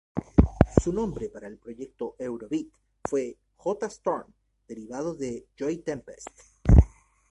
Su nombre para el proyecto eurobeat fue "J. Storm", derivado de Joey Tempest.